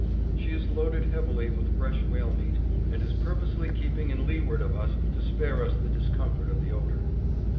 She is loaded heavily with fresh whale meat, and is purposely keeping in leeward of us to spare us the discomfort of the odor.